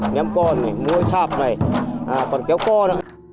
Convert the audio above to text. ném con muối sạp này còn kéo co nữa